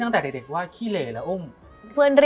มันทำให้ชีวิตผู้มันไปไม่รอด